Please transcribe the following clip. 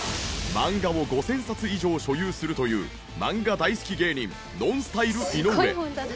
漫画を５０００冊以上所有するという漫画大好き芸人ＮＯＮＳＴＹＬＥ井上。